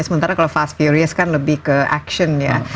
sementara kalau fast furious kan lebih ke action ya